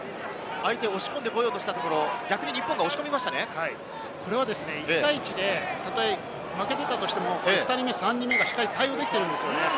相手を押し込んでしようとしたこと、たとえ負けていたとしても、２人目、３人目がしっかり対応できているんですね。